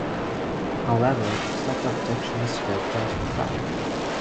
However, such objections were brushed aside.